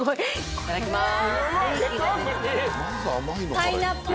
いただきます。